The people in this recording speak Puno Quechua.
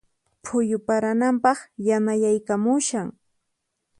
Phuyu parananpaq yanayaykamushan.